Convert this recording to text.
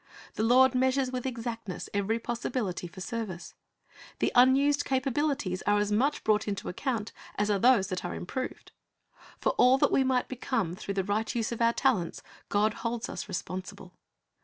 The Lord measures with exactness every possibility for service. The unused capabilities are as much brought into account as are those that are improved. For all that we might become through the right use of our talents God holds us responsible.